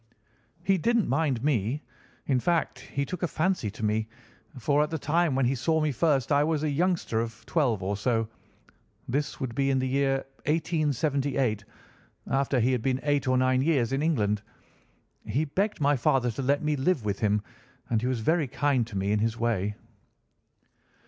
"He didn't mind me; in fact, he took a fancy to me, for at the time when he saw me first I was a youngster of twelve or so. This would be in the year 1878, after he had been eight or nine years in England. He begged my father to let me live with him and he was very kind to me in his way.